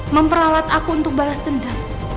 memperalat aku untuk balas dendam